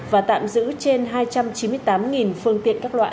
và tạm giữ trên hai trăm chín mươi tám phương tiện các loại